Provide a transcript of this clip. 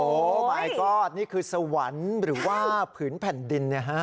โอ้โหไม้กอดนี่คือสวรรค์หรือว่าผืนแผ่นดินเนี่ยฮะ